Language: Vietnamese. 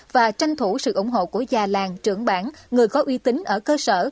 và tranh thủ sự ủng hộ của già làng trưởng bản người có uy tín ở cơ sở